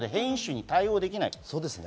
変異種に対応できない。